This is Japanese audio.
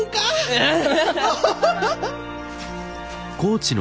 うん！